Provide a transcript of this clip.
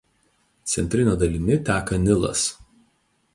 Centrine dalimi teka Nilas.